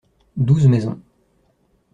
Douze maisons.